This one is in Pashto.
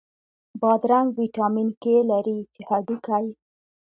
بادرنګ ویټامین K لري، چې هډوکی